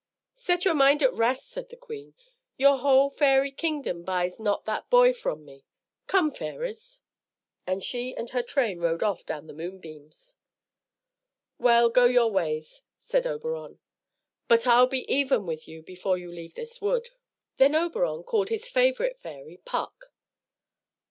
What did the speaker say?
"Set your mind at rest," said the queen. "Your whole fairy kingdom buys not that boy from me. Come, fairies." And she and her train rode off down the moonbeams. "Well, go your ways," said Oberon. "But I'll be even with you before you leave this wood." Then Oberon called his favorite fairy, Puck.